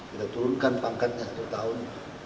kita turunkan pangkatnya satu tahun